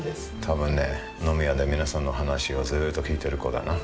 多分ね飲み屋で皆さんの話をずーっと聞いてる子だな。